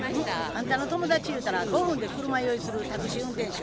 あんたの友達ゆうたら５分で車酔いするタクシー運転手？